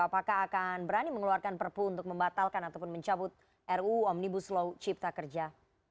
apakah akan berani mengeluarkan perpu untuk membatalkan ataupun mencabut ruu omnibus law cipta kerja